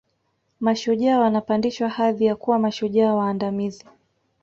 Mashujaa wanapandishwa hadhi ya kuwa mashujaa waandamizi